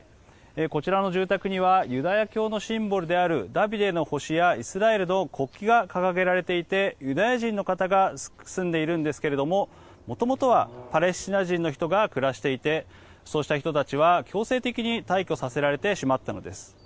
こちらの住宅にはユダヤ教のシンボルであるダビデの星やイスラエルの国旗が掲げられていて、ユダヤ人の方が住んでいるんですけれどももともとはパレスチナ人の人が暮らしていてそうした人たちは強制的に退去させられてしまったのです。